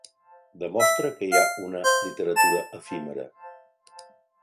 Demostra que hi ha una literatura efímera.